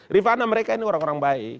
rifana mereka ini orang orang baik